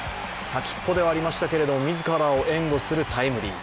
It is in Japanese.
先っぽではありましたが、自らを援護するタイムリー。